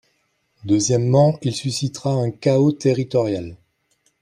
Deuxièmement, il suscitera un chaos territorial.